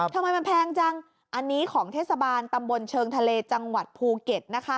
ทำไมมันแพงจังอันนี้ของเทศบาลตำบลเชิงทะเลจังหวัดภูเก็ตนะคะ